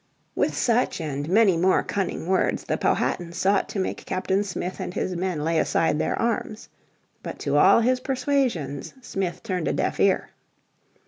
With such and many more cunning words the Powhatan sought to make Captain Smith and his men lay aside their arms. But to all his persuasions Smith turned a deaf ear.